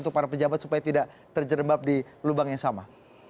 untuk para pejabat supaya tidak terjerembab di lubang yang sama